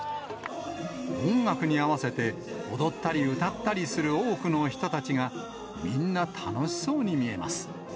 音楽に合わせて、踊ったり歌ったりする多くの人たちが、みんな楽しそうに見えます。